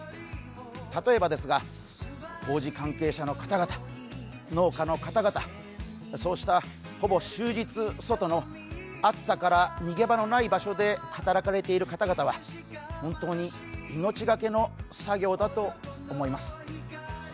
例えばですが、工事関係者の方々農家の方々そうした、ほぼ終日外の暑さから逃げ場のない場所で働かれている方々は本当に命がけの作業だと思います。